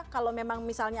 kalau memang misalnya